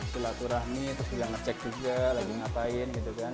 silaturahmi terus bilang ngecek juga lagi ngapain gitu kan